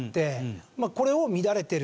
これを「乱れている。